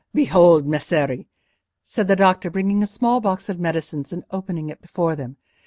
"Behold, Messeri!" said the doctor, bringing a small box of medicines and opening it before them.